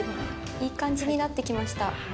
いい感じになってきました。